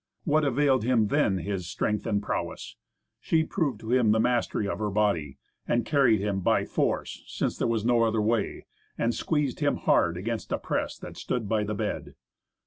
What availed him then his strength and his prowess? She proved to him the mastery of her body, and carried him by force, since there was no other way, and squeezed him hard against a press that stood by the bed.